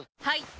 はい！